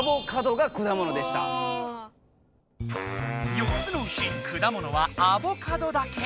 ４つのうちくだものはアボカドだけ。